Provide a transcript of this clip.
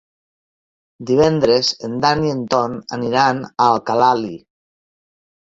Divendres en Dan i en Ton aniran a Alcalalí.